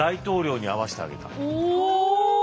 お！